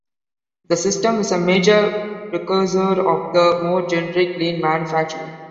The system is a major precursor of the more generic "lean manufacturing".